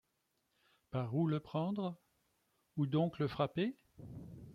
Par où le prendre? où donc le frapper ?